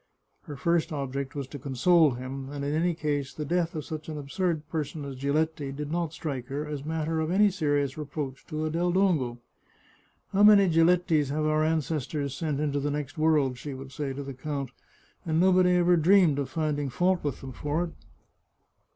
Her first object was to console him, and in any case the death of such an absurd person as Giletti did not strike her as matter of any serious reproach to a Del Dongo. " How many Gilettis have our ancestors sent into the next world !" she would say to the count ;" and nobody ever dreamed of finding fault with them for it."